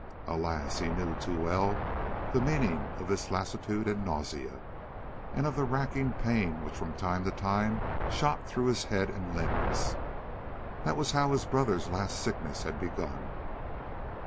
Alas! he knew too well the meaning of this lassitude and nausea, and of the racking pain which from time to time shot through his head and limbs. That was how his brother's last sickness had begun.